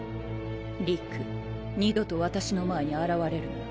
理玖二度と私の前に現れるな。